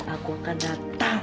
aku akan datang